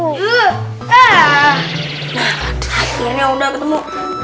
nah akhirnya udah ketemu